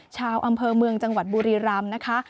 ชาวอำเภอเมืองจังหวัดบุรีรำนะคะ